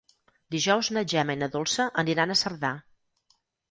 Dijous na Gemma i na Dolça aniran a Cerdà.